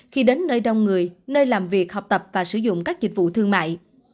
khi đến nơi đông người nơi làm việc học tập và sử dụng các dịch vụ thương mại